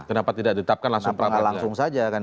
kenapa tidak tetapkan langsung